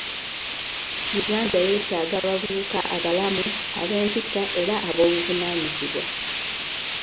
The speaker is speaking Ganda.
Uganda yeetaaga abavubuka abalamu, ab'empisa era ab'obuvunaanyizibwa.